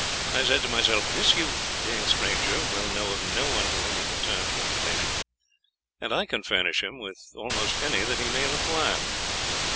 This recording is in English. I said to myself: This youth, being a stranger, will know of no one to whom he can turn for information, and I can furnish him with almost any that he may require.